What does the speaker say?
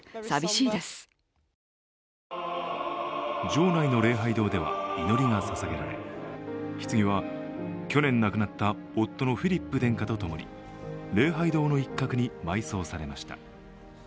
城内の礼拝堂では祈りがささげられ、ひつぎは去年亡くなった夫のフィリップ殿下とともに礼拝堂の一角に埋葬されました。